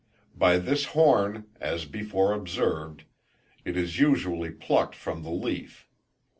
By this horn, as before observed, it is usually plucked from the leaf.